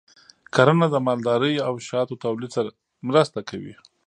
کرنه د مالدارۍ او شاتو تولید سره مرسته کوي.